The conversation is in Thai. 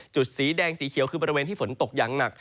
สีแดงสีเขียวคือบริเวณที่ฝนตกอย่างหนัก